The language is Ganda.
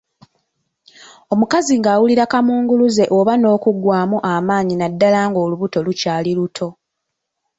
Omukazi ng'awulira kaamunguluze oba n'okuggwaamu amaanyi naddala ng'olubuto lukyali luto.